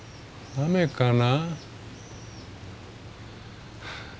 雨かな？